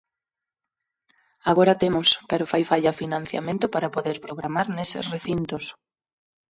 Agora temos, pero fai falla financiamento para poder programar neses recintos.